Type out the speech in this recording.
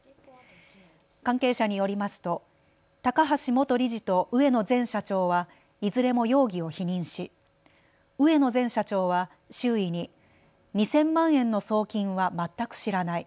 関係者によりますと高橋元理事と植野前社長はいずれも容疑を否認し植野前社長は周囲に２０００万円の送金は全く知らない。